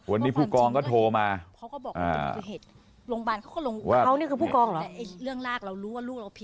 วันนี้ผู้กองก็โทรมาว่าเขานี่ผู้กองหรอ